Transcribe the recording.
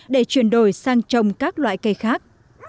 để chuyển đổi sang trồng các loại cây khác